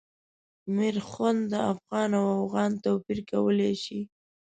میرخوند د افغان او اوغان توپیر کولای شي.